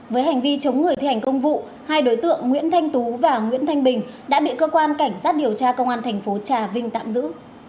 với hành vi chống người thi hành công vụ hai đối tượng nguyễn thanh tú và nguyễn thanh bình đã bị cơ quan cảnh sát điều tra công an thành phố trà vinh tạm giữ